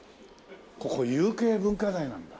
ここ有形文化財なんだ。